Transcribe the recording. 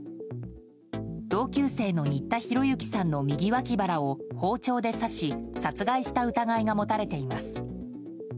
同級生の新田浩之さんの右脇腹を包丁で刺し殺害した疑いが持たれています。